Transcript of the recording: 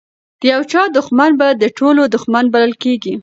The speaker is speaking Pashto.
د یو چا دښمن به د ټولو دښمن بلل کیږي.